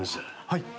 はい。